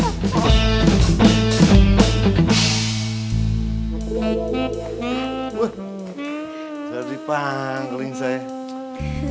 woh jadi panggling saya